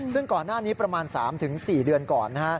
ซึ่งก่อนหน้านี้ประมาณ๓๔เดือนก่อน